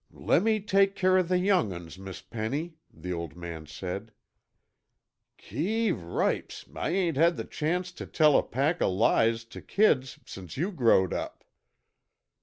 "Lemme take care o' the young 'uns, Miss Penny," the old man said. "Keeee ripes, I ain't had the chance tuh tell a pack of lies tuh kids since you growed up."